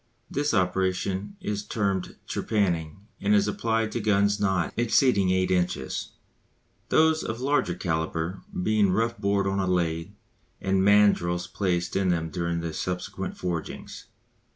This operation is termed "trepanning," and is applied to guns not exceeding eight inches; those of larger calibre being rough bored on a lathe, and mandrils placed in them during the subsequent forgings.